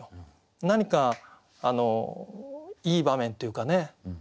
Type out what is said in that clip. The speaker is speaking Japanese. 何かいい場面というかね